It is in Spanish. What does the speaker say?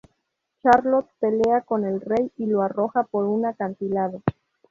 Charlot pelea con el rey y lo arroja por un acantilado.